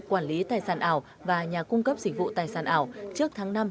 quản lý tài sản ảo và nhà cung cấp dịch vụ tài sản ảo trước tháng năm năm hai nghìn hai mươi năm